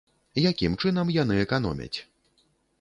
Якім чынам яны эканомяць?